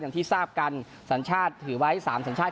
อย่างที่ทราบกันสัญชาติถือไว้๓สัญชาติ